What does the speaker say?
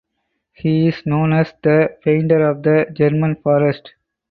He is known as The Painter of the German Forest.